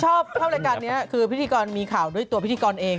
ชอบเข้ารายการนี้คือพิธีกรมีข่าวด้วยตัวพิธีกรเอง